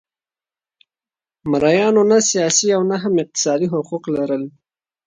مریانو نه سیاسي او نه هم اقتصادي حقوق لرل.